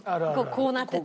こうなっててね。